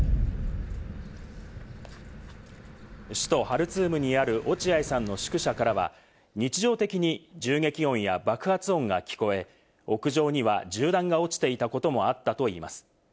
首都ハルツームにある落合さんの宿舎からは日常的に銃撃音や爆発音が聞こえ、屋上には銃弾が落ちていたこともあったといいます。